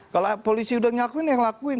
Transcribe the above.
kalau polisi udah ngakuin yang lakuin